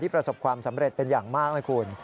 ประสบความสำเร็จเป็นอย่างมากนะคุณ